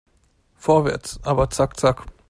Vorwärts, aber zack zack!